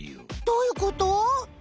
どういうこと？